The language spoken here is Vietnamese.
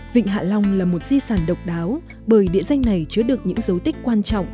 vịnh hạ long là một di sản độc đáo bởi địa danh này chứa được những dấu tích quan trọng